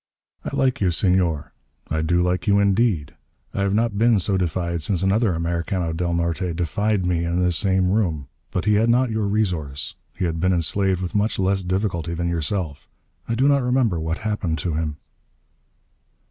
"I like you, Senor. I do like you indeed. I have not been so defied since another Americano del Norte defied me in this same room. But he had not your resource. He had been enslaved with much less difficulty than yourself. I do not remember what happened to him...."